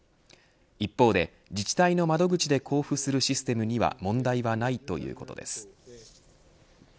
一方で自治体の窓口で交付するシステムには問題はないということです。